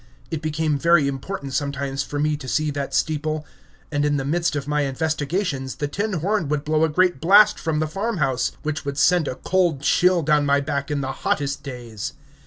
It became very important sometimes for me to see that steeple; and in the midst of my investigations the tin horn would blow a great blast from the farmhouse, which would send a cold chill down my back in the hottest days.